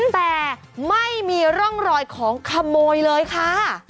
แต่ไม่มีร่องรอยของขโมยเลยค่ะ